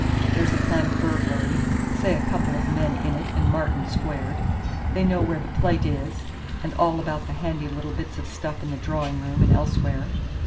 There's a plan of burglary say a couple of men in it and Martin squared. They know where the plate is, and all about the handy little bits of stuff in the drawing room and elsewhere.